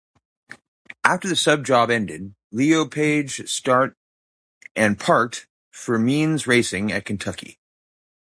After the sub job ended, Lepage start and parked for Means Racing at Kentucky.